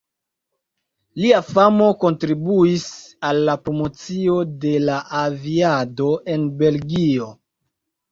Lia famo kontribuis al la promocio de la aviado en Belgio.